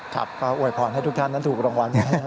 ครับก็อวยพรให้ทุกท่านนั้นถูกรางวัล